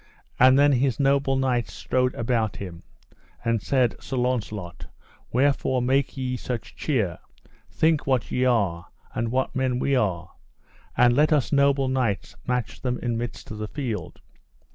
And then his noble knights strode about him, and said: Sir Launcelot, wherefore make ye such cheer, think what ye are, and what men we are, and let us noble knights match them in midst of the field.